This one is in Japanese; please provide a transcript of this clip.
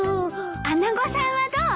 穴子さんはどう？